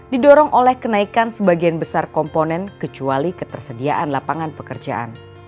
didorong oleh kenaikan sebagian besar komponen kecuali ketersediaan lapangan pekerjaan